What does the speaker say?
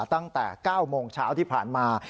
ตั้งแต่๙โมงเช้าที่ผ่านมา